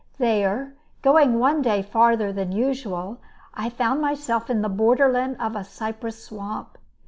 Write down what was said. There going one day farther than usual I found myself in the borderland of a cypress swamp.